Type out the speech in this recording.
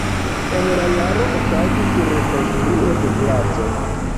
En la jaro okazis rekonstruo de placo.